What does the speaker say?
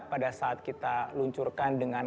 pada saat kita luncurkan dengan